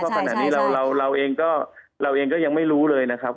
เพราะขณะนี้เราเองก็ยังไม่รู้เลยนะครับ